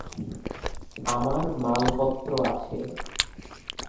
আমার মালপত্র আছে।